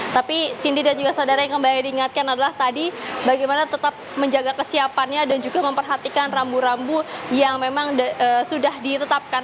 tapi cindy dan juga saudara yang kembali diingatkan adalah tadi bagaimana tetap menjaga kesiapannya dan juga memperhatikan rambu rambu yang memang sudah ditetapkan